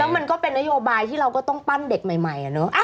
มันก็เป็นนโยบายที่เราก็ต้องปั้นเด็กใหม่เนอะ